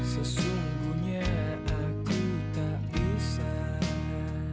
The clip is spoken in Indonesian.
sesungguhnya aku tak usah